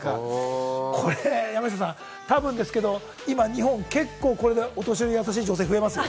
山下さん、たぶんですけれども、今、日本、結構これでお年寄りに優しい女性増えますよ。